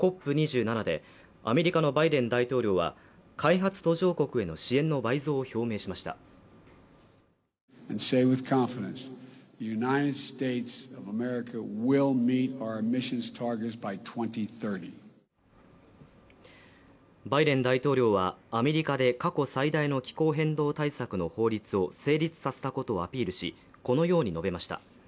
ＣＯＰ２７でアメリカのバイデン大統領は開発途上国への支援の倍増を表明しましたバイデン大統領はアメリカで過去最大の気候変動対策の法律を成立させたことをアピールしこのように述べました